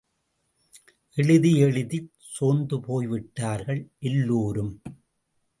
எழுதி எழுதிச் சோர்ந்துபோய்விட்டார்கள் எல்லோரும்.